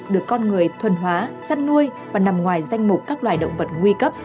được con người thuần hóa chăn nuôi và nằm ngoài danh mục các loài động vật nguy cấp